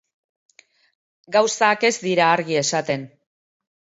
Gauzak ez dira argi esaten.